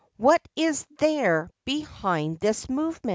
What is there behind this movement